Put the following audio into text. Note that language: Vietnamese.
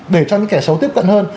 để cho những kẻ xấu tiếp cận hơn